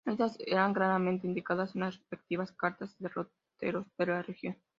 Estas están claramente indicadas en las respectivas cartas y derroteros de la región.